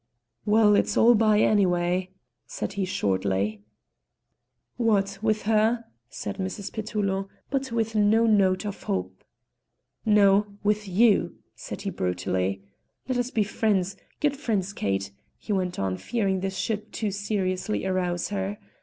"Well, it's all by, anyway," said he shortly. "What, with her?" said Mrs. Petullo, but with no note of hope. "No, with you," said he brutally. "Let us be friends, good friends, Kate," he went on, fearing this should too seriously arouse her.